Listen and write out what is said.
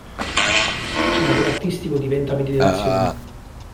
Il lavoro artistico diventa meditazione.